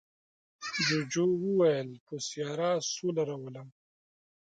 جوجو وویل په سیاره سوله راولم.